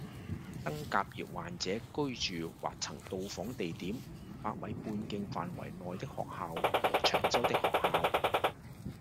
登革熱患者居住或曾到訪地點五百米半徑範圍內的學校和長洲的學校